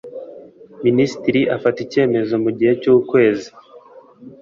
Minisitiri afata icyemezo mu gihe cy’ukwezi